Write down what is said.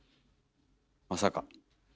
まさか。